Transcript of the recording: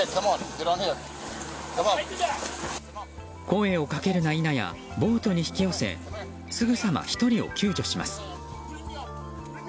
声をかけるや否やボートに引き寄せすぐさま１人を救助します。